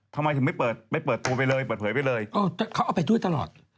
ทำไมถึงไม่เปิดไม่เปิดตัวไปเลยเปิดเผยไปเลยเขาเอาไปด้วยตลอด